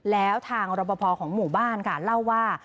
แล้วทางรบพอของหมู่บ้านค่ะเล่าว่า